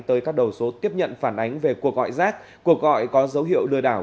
tới các đầu số tiếp nhận phản ánh về cuộc gọi rác cuộc gọi có dấu hiệu lừa đảo